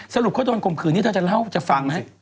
สรุปค่อยโดนกลมคืนนี่จะเล่าจะฟังไหม